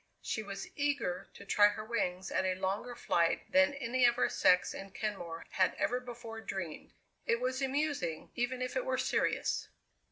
She was eager to try her wings at a longer flight than any of her sex in Kenmore had ever before dreamed. It was amusing even if it were serious.